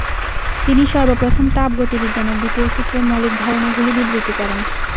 তিনি সর্বপ্রথম তাপগতিবিজ্ঞানের দ্বিতীয় সূত্রের মৌলিক ধারণাগুলি বিবৃত করেন।